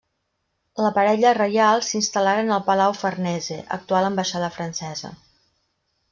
La parella reial s'instal·laren al Palau Farnese, actual ambaixada francesa.